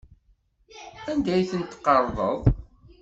Anda ay tent-tqerḍeḍ?